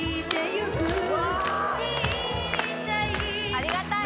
・ありがたい！